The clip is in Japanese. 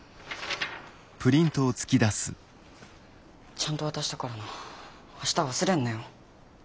ちゃんと渡したからな明日忘れんなよ。